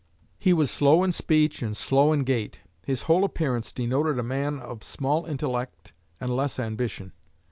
He was slow in speech and slow in gait. His whole appearance denoted a man of small intellect and less ambition.